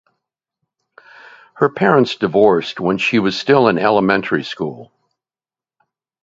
Her parents divorced when she was still in elementary school.